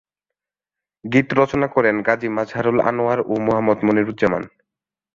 গীত রচনা করেন গাজী মাজহারুল আনোয়ার ও মোহাম্মদ মনিরুজ্জামান।